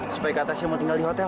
supaya kak tasya mau tinggal di hotel